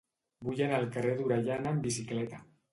Vull anar al carrer d'Orellana amb bicicleta.